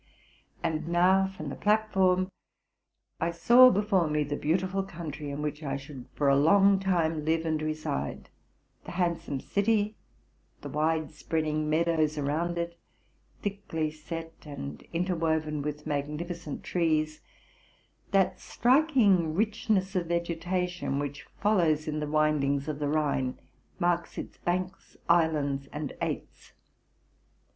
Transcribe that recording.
And now, from the platform, I saw before me the beauti ful country in which I should for a long time live and reside : the handsome city; the wide spreading meadows around it, thickly set and interwoven with magnificent trees; that striking richness of vegetation which follows in the windings of the Rhine, marks ie banks, islands, and aits.